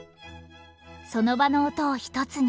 その場の音を１つに。